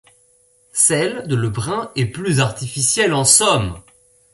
Celle de Le Brun est plus artificielle en somme.